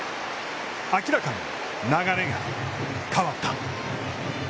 明らかに流れが変わった。